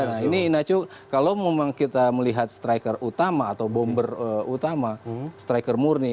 nah ini inaco kalau memang kita melihat striker utama atau bomber utama striker murni